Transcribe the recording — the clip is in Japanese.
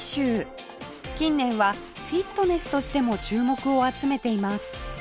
近年はフィットネスとしても注目を集めています